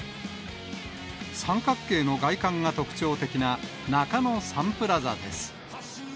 三角形の外観が特徴的な中野サンプラザです。